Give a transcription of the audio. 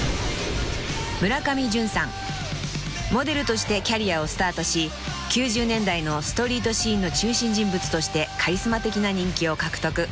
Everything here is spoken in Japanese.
［モデルとしてキャリアをスタートし９０年代のストリートシーンの中心人物としてカリスマ的な人気を獲得。